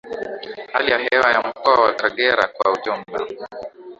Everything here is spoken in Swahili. Hali ya hewa ya Mkoa wa Kagera kwa ujumla